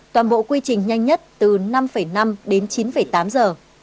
toàn bộ quy trình nhanh nhất từ năm năm đến chín tám giờ